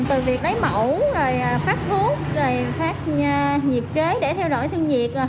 từ việc đáy mẫu phát thuốc phát nhiệt kế để theo dõi thương nhiệt